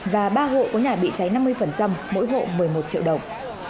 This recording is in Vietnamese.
và ba hộ có nhà bị cháy năm mươi mỗi hộ một mươi một triệu đồng